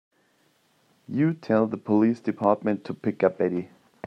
You tell the police department to pick up Eddie.